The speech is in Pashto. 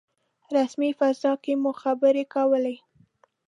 رسمي فضا کې مو خبرې کولې.